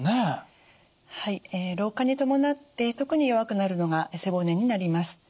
はい老化に伴って特に弱くなるのが背骨になります。